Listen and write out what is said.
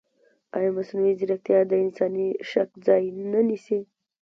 ایا مصنوعي ځیرکتیا د انساني شک ځای نه نیسي؟